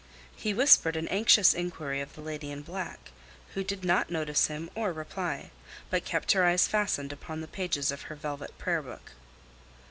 He whispered an anxious inquiry of the lady in black, who did not notice him or reply, but kept her eyes fastened upon the pages of her velvet prayer book.